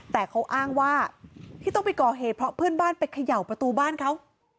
แต่เขาอ้างว่าที่ต้องไปก่อเหตุเพราะเพื่อนบ้านไปเขย่าประตูบ้านเขา